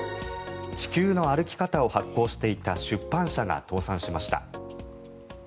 「地球の歩き方」を発行していた出版社が倒産しました。